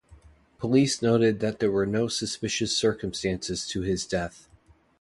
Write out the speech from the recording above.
Police noted that there were no suspicious circumstances to his death.